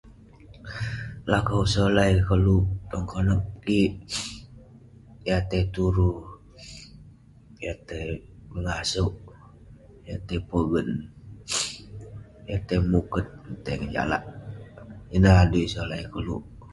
lakau solai koluk tong konep kik yah tai turu, yah tai mengasouk, yah tai pogen, yah tai muket yah tai ngejalak, ineh adui solai koluk